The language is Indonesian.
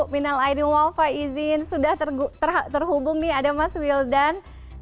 minal aini walfa izin sudah terhubung nih ada mas wildan